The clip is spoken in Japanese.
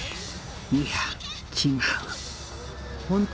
いや違う